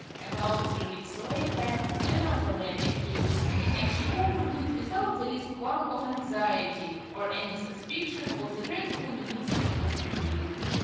About three weeks later another letter came, and she opened it without the least qualm of anxiety, or any suspicion of the dreadful news it was to bring.